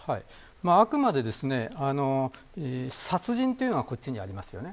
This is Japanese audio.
あくまで殺人というのはこちらにありますよね。